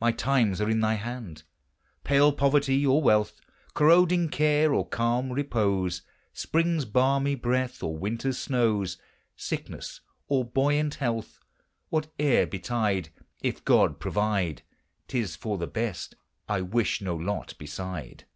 My times are in thy hand! Pale poverty or wealth. Corroding care or calm repose. Spring's balmy breath or winter's snows. Sickness or buoyant health, Whate'er betide, If God provide, 'T is for the best; I wish no lot beside.